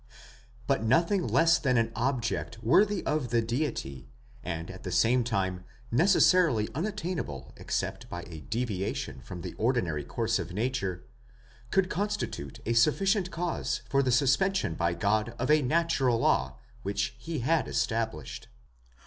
But nothing less than an object worthy of the Deity, and at the same time necessarily unattainable except by a deviation from the ordinary course of nature, could constitute a sufficient cause for the suspension by God of a natural law which he had established.